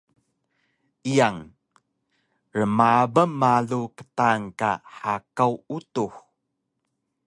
Iyang: Rmabang malu qtaan ka hakaw utux